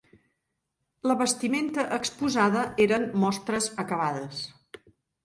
La vestimenta exposada eren mostres acabades.